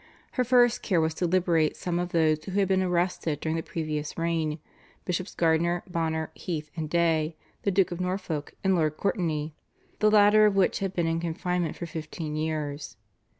Her first care was to liberate some of those who had been arrested during the previous reign, Bishops Gardiner, Bonner, Heath, and Day, the Duke of Norfolk, and Lord Courtenay, the latter of whom had been in confinement for fifteen years.